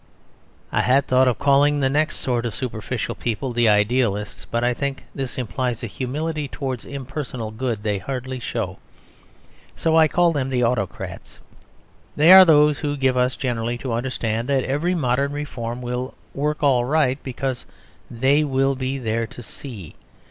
I had thought of calling the next sort of superficial people the Idealists; but I think this implies a humility towards impersonal good they hardly show; so I call them the Autocrats. They are those who give us generally to understand that every modern reform will "work" all right, because they will be there to see.